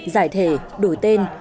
giải thể đổi tên